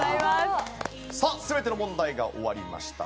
さあ全ての問題が終わりました。